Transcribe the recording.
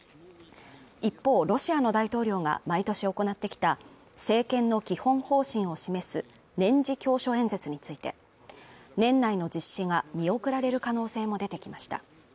一方ロシアの大統領が毎年行ってきた政権の基本方針を示す年次教書演説について年内の実施が見送られる可能性も出てきました